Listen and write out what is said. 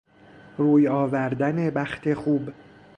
روی آوری بخت خوب